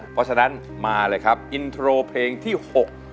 เพราะฉะนั้นมาเลยครับอินโทรเพลงที่๖